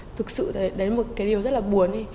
thực sự thấy đấy là một cái điều rất là buồn